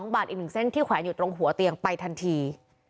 บาทอีก๑เส้นที่แขวนอยู่ตรงหัวเตียงไปทันที